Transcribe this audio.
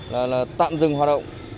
là tạm dừng hoạt động